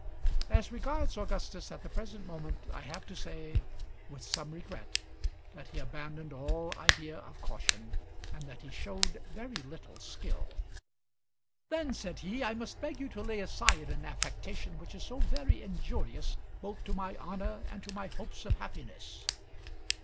As regards Augustus at the present moment, I have to say with some regret that he abandoned all idea of caution, and that he showed very little skill. "Then," said he, "I must beg you to lay aside an affectation which is so very injurious both to my honour and to my hopes of happiness."